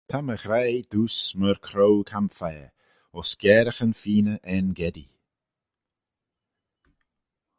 Ta my ghraih dooys myr croau camphire ayns garaghyn-feeyney En-gedi.